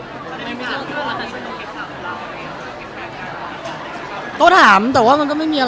ไม่มีเรื่องที่ต้องคิดถามหรือไม่มีเรื่องที่ต้องคิดถาม